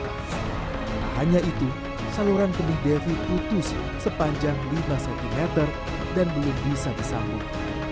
tak hanya itu saluran kemih devi putus sepanjang lima cm dan belum bisa disambung